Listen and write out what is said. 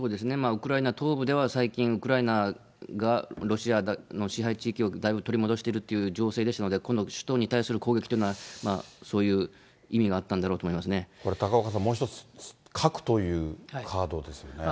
ウクライナ東部では、最近、ウクライナがロシアの支配地域をだいぶ取り戻しているという情勢ですので、この首都に対する攻撃というのは、そういう意味があったんだろうとこれ高岡さん、もう一つ、核というカードですよね。